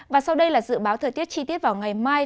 và sau đây là dự báo thời tiết chi tiết vào ngày mai